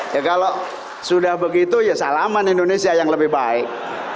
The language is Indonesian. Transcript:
ya kalau sudah begitu ya salaman indonesia yang lebih baik